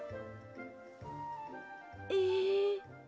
ええ。